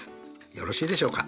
よろしいでしょうか。